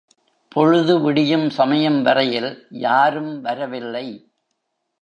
பொழுது விடியும் சமயம் வரையில் யாரும் வரவில்லை.